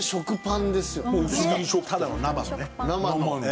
ただの生のね。